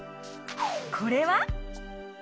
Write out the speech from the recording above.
これは？